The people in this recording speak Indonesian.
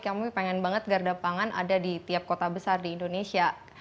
kamu pengen banget garda pangan ada di tiap kota besar di indonesia